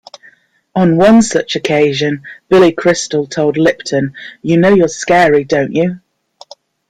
On one such occasion, Billy Crystal told Lipton, You know you're scary, don't you?